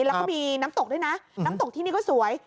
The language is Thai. แล้วก็มีน้ำตกด้วยนะน้ำตกที่นี่ก็สวย